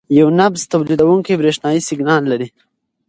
یو نبض تولیدوونکی برېښنايي سیګنال لېږي.